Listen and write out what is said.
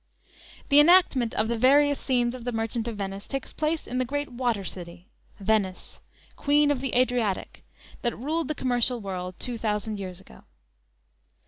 The enactment of the various scenes of the "Merchant of Venice" takes place in the great water city Venice, "Queen of the Adriatic," that ruled the commercial world two thousand years ago.